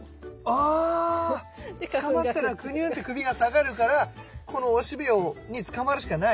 あつかまったらクニュッて首が下がるからこのおしべにつかまるしかない。